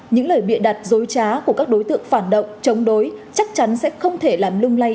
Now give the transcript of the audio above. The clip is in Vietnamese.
những lời bịa đặt dối trá của các đối tượng phản động chống đối chắc chắn sẽ không thể làm lung lay